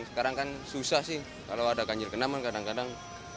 sekarang kan susah sih kalau ada ganjil genap kan kadang kadang